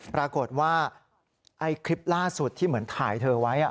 ปรากฏว่าไอ้คลิปล่าสุดที่เหมือนถ่ายเธอไว้